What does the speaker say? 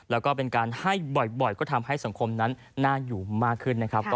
แล้วก็เป็นการให้บ่อยก็ทำให้สังคมนั้นน่าอยู่มากขึ้นนะครับ